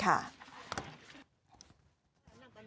กลางทีที่ไปเถอะ